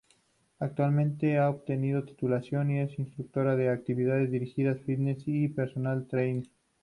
Actualmente ha obtenido titulación y es instructora de actividades dirigidas, fitness y personal trainer.